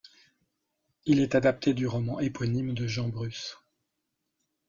Il est adapté du roman éponyme de Jean Bruce.